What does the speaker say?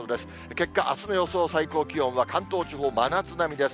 結果、あすの予想、最高気温は、関東地方、真夏並みです。